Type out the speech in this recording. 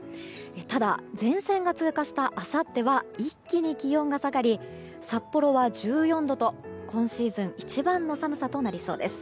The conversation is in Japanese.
ただ、前線が通過したあさっては一気に気温が下がり札幌は１４度と今シーズン一番の寒さとなりそうです。